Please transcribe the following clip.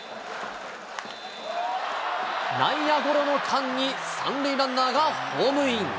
内野ゴロの間に３塁ランナーがホームイン。